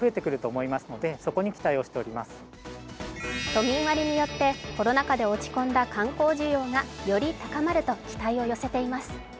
都民割によって、コロナ禍で落ち込んだ観光需要がより高まると期待を寄せています。